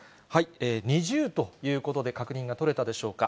２０ということで、確認が取れたでしょうか。